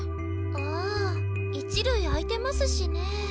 あ一塁空いてますしね。